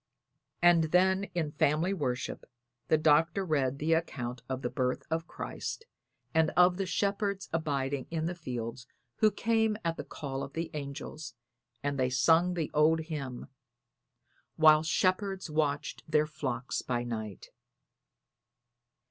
And then in family worship the Doctor read the account of the birth of Christ and of the shepherds abiding in the fields who came at the call of the angels, and they sung the old hymn: "While shepherds watched their flocks by night."